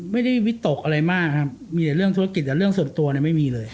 ไม่ได้วิตกอะไรมากมีแต่เรื่องธุรกิจแต่เรื่องส่วนตัวไม่มีเลย